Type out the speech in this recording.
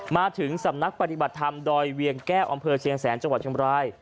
มาถึงสำนักปฏิบัติธรรมดอยเวียงแก้วอำเภอเชียงแสนจังหวัดเชียงบราย